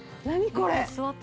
何これ！？